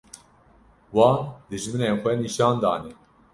wan dijminên xwe nîşan dane